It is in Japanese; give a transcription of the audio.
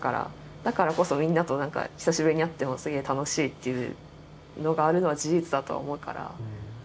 だからこそみんなとなんか久しぶりに会ってもすげえ楽しいというのがあるのは事実だとは思うから。